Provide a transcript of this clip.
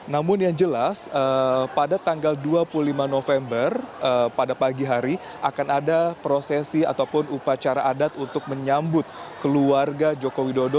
namun yang jelas pada tanggal dua puluh lima november pada pagi hari akan ada prosesi ataupun upacara adat untuk menyambut keluarga joko widodo